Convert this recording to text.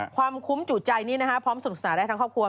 ความคุ้มจูดใจนี่นะฮะพร้อมสนุกสนานได้ทั้งครอบครัว